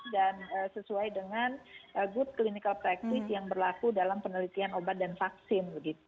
dan sesuai dengan good clinical practice yang berlaku dalam penelitian obat dan vaksin